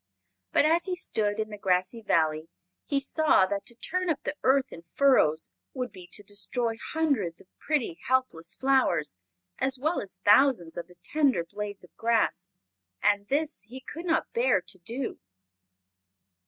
But, as he stood in the grassy Valley, he saw that to turn up the earth in furrows would be to destroy hundreds of pretty, helpless flowers, as well as thousands of the tender blades of grass. And this he could not bear to do.